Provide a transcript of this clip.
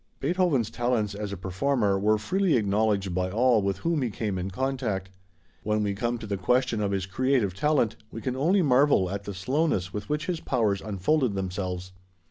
Beethoven's talents as a performer were freely acknowledged by all with whom he came in contact. When we come to the question of his creative talent, we can only marvel at the slowness with which his powers unfolded themselves.